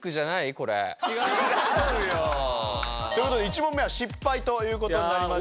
違うよ。という事で１問目は失敗という事になりました。